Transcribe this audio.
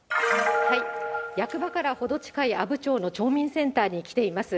役場から程近い阿武町の町民センターに来ています。